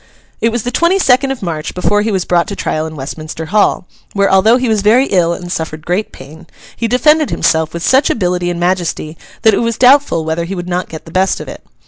It was the twenty second of March before he was brought to trial in Westminster Hall; where, although he was very ill and suffered great pain, he defended himself with such ability and majesty, that it was doubtful whether he would not get the best of it.